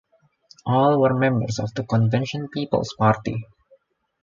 All were members of the Convention Peoples Party.